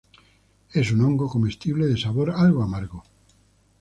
Es un hongo comestible de sabor algo amargo.